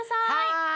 はい！